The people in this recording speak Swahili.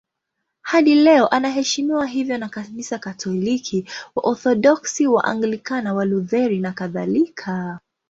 Hadi leo anaheshimiwa hivyo na Kanisa Katoliki, Waorthodoksi, Waanglikana, Walutheri nakadhalika.